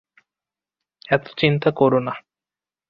এতো চিন্তা কোরো না।